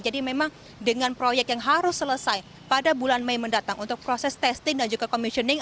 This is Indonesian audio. jadi memang dengan proyek yang harus selesai pada bulan mei mendatang untuk proses testing dan juga commissioning